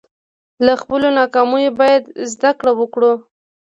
له خپلو ناکامیو باید زده کړه وکړو.